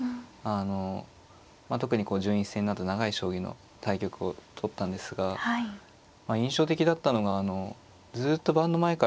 あの特に順位戦など長い将棋の対局をとったんですが印象的だったのがずっと盤の前から離れないといいますか